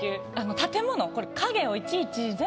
建物これ影をいちいち全部。